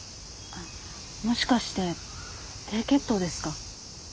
もしかして低血糖ですか？